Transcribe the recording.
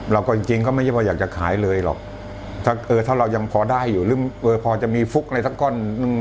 เราก็จริงไม่ใช่ว่าอยากจะขายเลยหรอกถ้าเรายังพอได้อยู่หรือพอจะมีฟุกอะไรสักก้อน